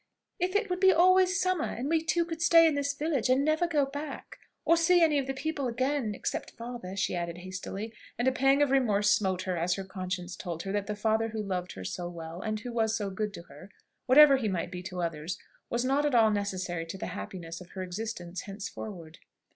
If it would be always summer, and we two could stay in this village, and never go back, or see any of the people again except father," she added hastily. And a pang of remorse smote her as her conscience told her that the father who loved her so well, and was so good to her, whatever he might be to others, was not at all necessary to the happiness of her existence henceforward.